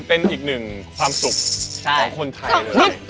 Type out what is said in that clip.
เป็นอีกหนึ่งความสุขของคนไทยเลย